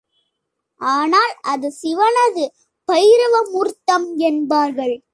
ஆனால் அது சிவனது பைரவ மூர்த்தம் என்பார்கள்.